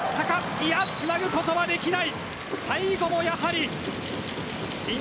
いや、つなぐことはできない。